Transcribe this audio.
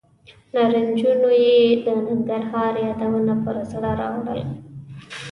نارنجونو یې د ننګرهار یادونه پر زړه راورول.